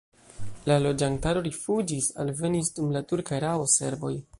La loĝantaro rifuĝis, alvenis dum la turka erao serboj.